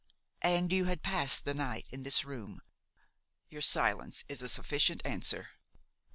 "And you had passed the night in this room. Your silence is a sufficient answer."